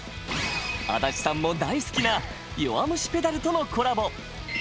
足立さんも大好きな「弱虫ペダル」とのコラボ。